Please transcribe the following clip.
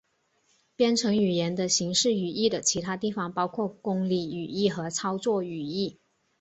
编程语言的形式语义的其他方法包括公理语义和操作语义。